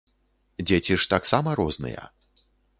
Дзеці ж таксама розныя.